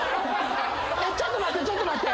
ちょっと待って。